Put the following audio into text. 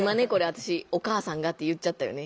私「お母さんが」って言っちゃったよね。